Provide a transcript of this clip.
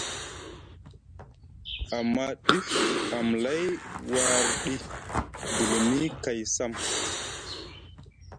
Amma ɗif amlay warɗi dulumi kay sam.